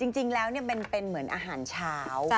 จริงแล้วเป็นเหมือนอาหารเช้า